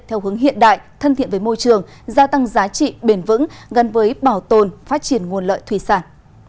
theo hướng hiện đại thân thiện với môi trường gia tăng giá trị bền vững gần với bảo tồn phát triển nguồn lợi thủy sản